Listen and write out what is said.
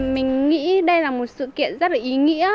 mình nghĩ đây là một sự kiện rất là ý nghĩa